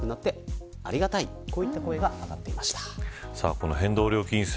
この変動料金制